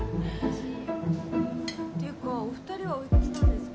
・というかお２人はおいくつなんですか？